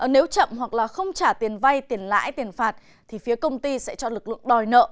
nếu chậm hoặc là không trả tiền vay tiền lãi tiền phạt thì phía công ty sẽ cho lực lượng đòi nợ